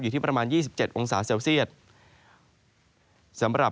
ในแต่ละพื้นที่เดี๋ยวเราไปดูกันนะครับ